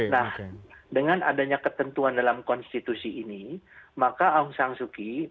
nah dengan adanya ketentuan dalam konstitusi ini maka aung san suu kyi